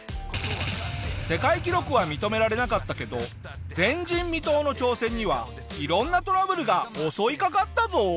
世界記録は認められなかったけど前人未到の挑戦には色んなトラブルが襲いかかったぞ！